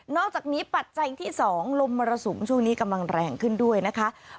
อกจากนี้ปัจจัยที่๒ลมมรสุมช่วงนี้กำลังแรงขึ้นด้วยนะคะ